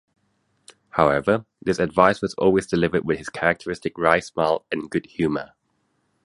However, this advice was always delivered with his characteristic wry smile and good humour.